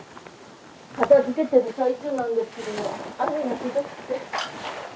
片づけてる最中なんですけども、雨がひどくて。